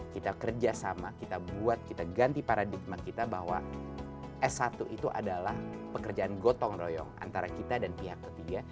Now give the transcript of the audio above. kita kerjasama kita buat kita ganti paradigma kita bahwa s satu itu adalah pekerjaan gotong royong antara kita dan pihak ketiga